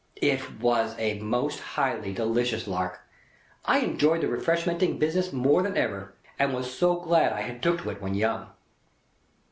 It was a most highly delicious lark. I enjoyed the Refreshmenting business more than ever, and was so glad I had took to it when young.